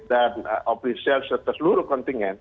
dan ofisial serta seluruh kontingen